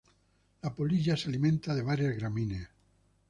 La polilla se alimenta de varias gramíneas.